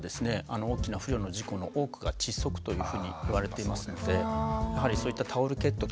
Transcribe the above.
大きな不慮の事故の多くが窒息というふうにいわれていますのでやはりそういったタオルケットとかですね